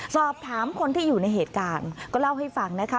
สอบถามคนที่อยู่ในเหตุการณ์ก็เล่าให้ฟังนะคะ